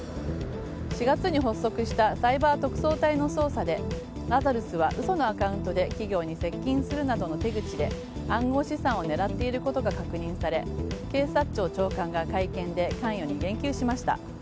４月に発足したサイバー特捜隊の捜査でラザルスは嘘のアカウントで企業に接近するなどの手口で暗号資産を狙っていることが確認され警視庁長官が会見で関与に言及しました。